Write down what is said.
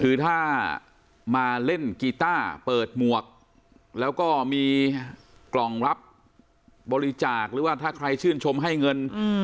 คือถ้ามาเล่นกีต้าเปิดหมวกแล้วก็มีกล่องรับบริจาคหรือว่าถ้าใครชื่นชมให้เงิน